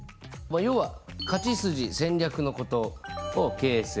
要は勝ち筋戦略のことをＫＳＦ。